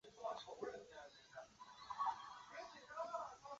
导引头亦让导弹可在恶劣天气或夜间作战。